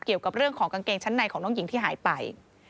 เกี่ยวกับเรื่องของกางเกงชั้นในของน้องหญิงที่หายไป